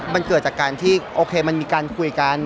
มันเกิดจากการที่โอเคมันมีการคุยกัน